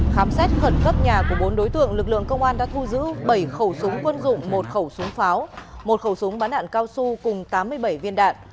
khám xét khẩn cấp nhà của bốn đối tượng lực lượng công an đã thu giữ bảy khẩu súng quân dụng một khẩu súng pháo một khẩu súng bắn đạn cao su cùng tám mươi bảy viên đạn